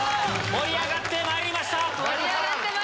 盛り上がってまいりました。